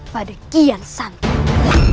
pada nandakian santang